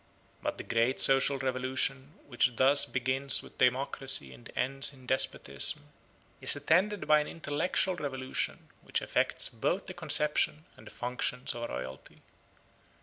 But the great social revolution which thus begins with democracy and ends in despotism is attended by an intellectual revolution which affects both the conception and the functions of royalty.